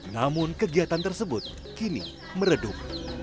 namun kegiatan tersebut kini meredup